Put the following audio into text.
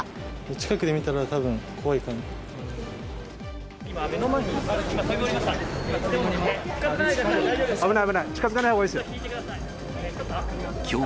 近くで見たら、たぶん怖いかなと思う。